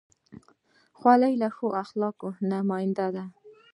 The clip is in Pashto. خولۍ د ښو اخلاقو نماینده ده.